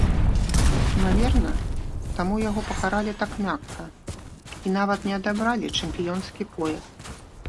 Імаверна, таму яго пакаралі так мякка і нават не адабралі чэмпіёнскі пояс.